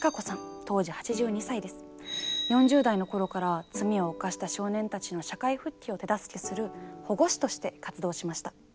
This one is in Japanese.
４０代の頃から罪を犯した少年たちの社会復帰を手助けする保護司として活動しました。